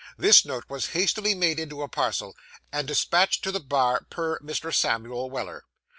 This note was hastily made into a parcel, and despatched to the bar per Mr. Samuel Weller.